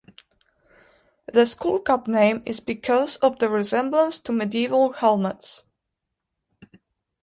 The skullcap name is because of the resemblance to medieval helmets.